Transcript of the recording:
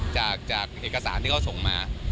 จากเอกสารที่เขาส่งมา